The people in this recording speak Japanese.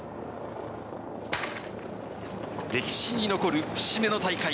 歴史に残る節目の大会。